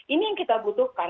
ini yang kita butuhkan